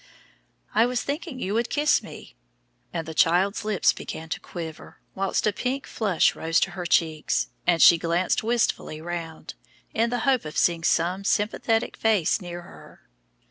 "I was thinking you would kiss me," and the child's lips began to quiver, while a pink flush rose to her cheeks, and she glanced wistfully round, in the hope of seeing some sympathetic face near her.